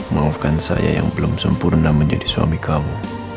maafkan saya yang belum sempurna menjadi suami kamu